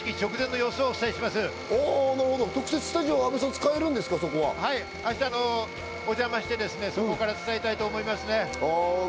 阿部さん、特設スタジオ使え明日お邪魔してそこから伝えたいと思います。